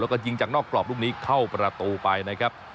แล้วก็ยิงจากนอกกรอบลูกนี้เข้าประตูไปนะครับ